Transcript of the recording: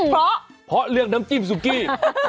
เพราะเพราะเรื่องน้ำจิ้มซุกี้